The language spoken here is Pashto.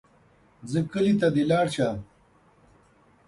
ځه کلي ته دې لاړ شه.